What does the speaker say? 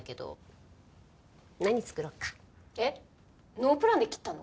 ノープランで切ったの？